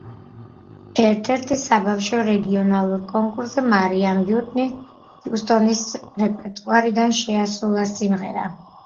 ერთ-ერთ საბავშვო რეგიონალურ კონკურსზე მარიამ უიტნი ჰიუსტონის რეპერტუარიდან შეასრულა სიმღერა.